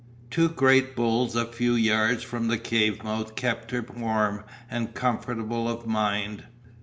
Two great bulls a few yards from the cave's mouth kept her warm and comfortable of mind.